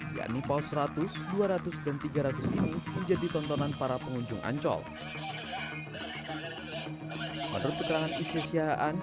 yakni paus seratus dua ratus dan tiga ratus ini menjadi tontonan para pengunjung ancol menurut keterangan isya siahaan